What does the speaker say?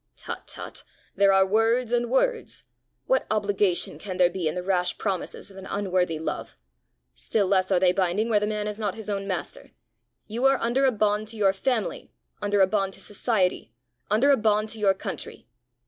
"Tut! tut! there are words and words! What obligation can there be in the rash promises of an unworthy love! Still less are they binding where the man is not his own master! You are under a bond to your family, under a bond to society, under a bond to your country.